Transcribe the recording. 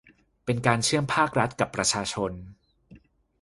เป็นการเชื่อมภาครัฐกับประชาชน